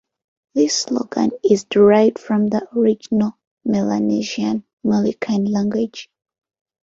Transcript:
This slogan is derived from the original Melanesian Moluccan language.